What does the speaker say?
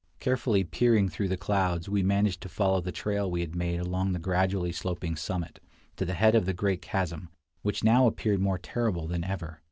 Carefully peering through the clouds, we managed to follow the trail we had made along the gradually sloping summit, to the head of the great chasm, which now appeared more terrible than ever.